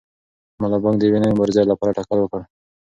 ملا بانګ د یوې نوې مبارزې لپاره تکل وکړ.